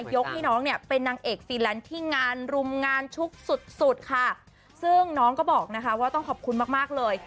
ให้น้องเนี่ยเป็นนางเอกฟีแลนด์ที่งานรุมงานชุกสุดสุดค่ะซึ่งน้องก็บอกนะคะว่าต้องขอบคุณมากมากเลย